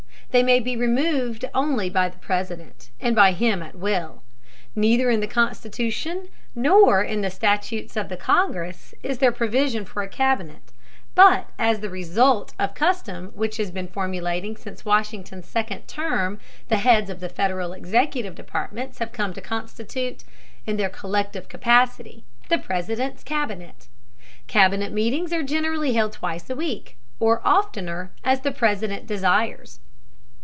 They may be removed only by the President, and by him at will. Neither in the Constitution nor in the statutes of Congress is there provision for a Cabinet, but as the result of custom which has been formulating since Washington's second term the heads of the Federal executive departments have come to constitute, in their collective capacity, the President's Cabinet. Cabinet meetings are generally held twice a week, or oftener, as the President desires.